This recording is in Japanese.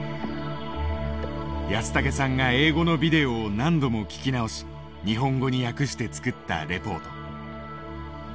安竹さんが英語のビデオを何度も聴き直し日本語に訳して作ったレポート。